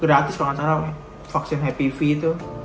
gratis kalau gak salah vaksin hpv itu